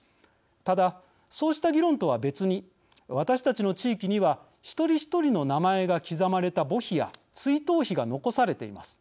ただ、そうした議論とは別に私たちの地域には一人一人の名前が刻まれた墓碑や追悼碑が残されています。